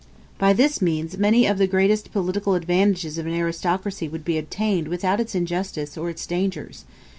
By this means many of the greatest political advantages of aristocracy would be obtained without its injustice or its dangers.